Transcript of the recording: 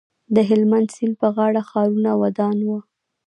د هلمند سیند په غاړه ښارونه ودان وو